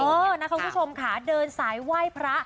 เออนักความคิดชมค่ะเดินสายไหว้พระ